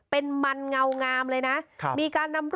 เป็นมันเงางามเลยนะ